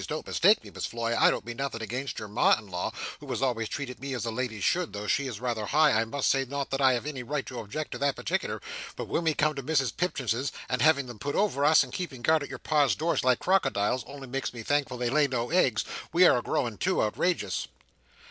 Don't mistake me, Miss Floy, I don't mean nothing again your ma in law who has always treated me as a lady should though she is rather high I must say not that I have any right to object to that particular, but when we come to Mrs Pipchinses and having them put over us and keeping guard at your Pa's door like crocodiles (only make us thankful that they lay no eggs!) we are a growing too outrageous!"